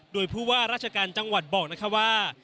โดยผู้ว่าราชการจังหวัดบอกนะคะว่า